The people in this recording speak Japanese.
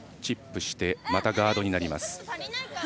チップしてまたガードになります。